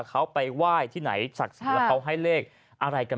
เขาไปไหว้ที่ไหนเดี๋ยวเขาให้เลขอะไรกัน